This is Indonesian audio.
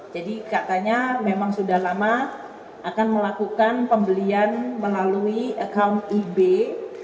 jadi katanya memang sudah lama akan melakukan pembelian melalui account ebay